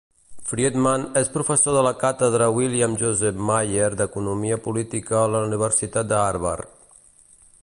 Friedman és professor de la càtedra William Joseph Maier d'economia política a la Universitat de Harvard.